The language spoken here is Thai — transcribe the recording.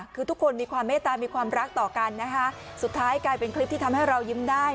คือทุกคนมีความเมตตามีความรักต่อกันนะคะสุดท้ายกลายเป็นคลิปที่ทำให้เรายิ้มได้